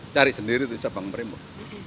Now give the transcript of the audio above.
cari sendiri bisa bang merimut